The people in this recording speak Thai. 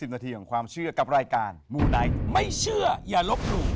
นาทีของความเชื่อกับรายการมูไนท์ไม่เชื่ออย่าลบหลู่